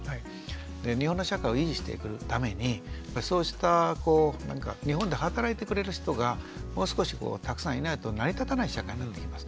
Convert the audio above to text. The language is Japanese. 日本の社会を維持していくためにそうした日本で働いてくれる人がもう少したくさんいないと成り立たない社会になってきます。